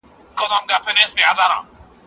خلګ بايد د دولت اطاعت وکړي.